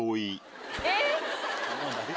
えっ？